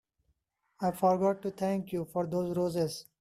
I forgot to thank you for those roses.